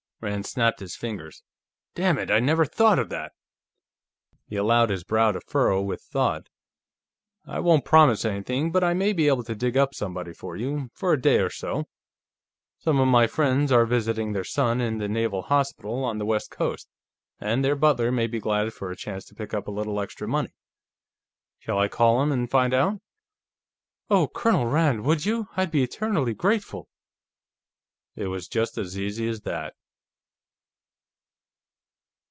Rand snapped his fingers. "Dammit, I never thought of that!" He allowed his brow to furrow with thought. "I won't promise anything, but I may be able to dig up somebody for you, for a day or so. Some of my friends are visiting their son, in a Naval hospital on the West Coast, and their butler may be glad for a chance to pick up a little extra money. Shall I call him and find out?" "Oh, Colonel Rand, would you? I'd be eternally grateful!" It was just as easy as that.